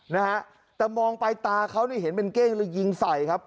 นะฮะแต่มองไปตาเขาเนี่ยเห็นเป็นเก้งเลยยิงใส่ครับ